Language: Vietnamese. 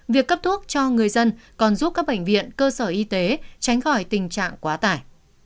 việc cấp thuốc cho người dân còn giúp các bệnh viện cơ sở y tế tránh khỏi tình trạng quá tải